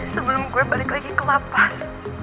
sebelum gua balik lagi ke la paz